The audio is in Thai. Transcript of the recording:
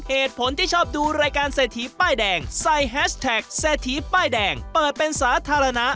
เหตุผลที่ชอบดูรายการเศรษฐีป้ายแดงใส่แฮชแท็กเศรษฐีป้ายแดงเปิดเป็นสาธารณะ